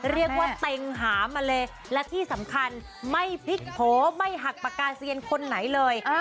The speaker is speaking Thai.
เรียกว่าเต็งหามาเลยและที่สำคัญไม่พลิกโผล่ไม่หักปากกาเซียนคนไหนเลย